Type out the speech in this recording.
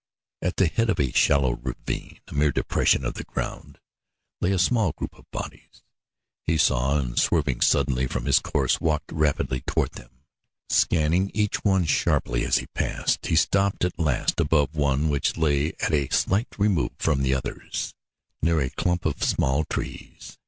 At the head of a shallow ravine, a mere depression of the ground, lay a small group of bodies. He saw, and swerving suddenly from his course walked rapidly toward them. Scanning each one sharply as he passed, he stopped at last above one which lay at a slight remove from the others, near a clump of small trees.